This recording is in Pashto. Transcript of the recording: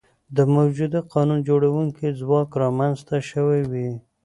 د موجوده قانون جوړوونکي ځواک رامنځته شوي وي.